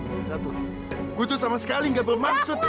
lihat tuh gue tuh sama sekali gak bermaksud ya